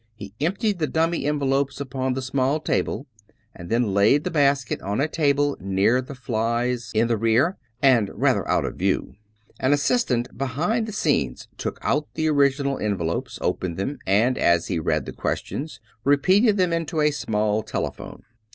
He emptied the dummy envelopes upon the small table and then laid the basket on a table near the flies in the rear, and rather out of view. An assistant behind the scenes took out the original envelopes, opened them, and as he read the ques tions repeated them into a small telephone.